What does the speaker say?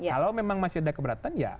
kalau memang masih ada keberatan ya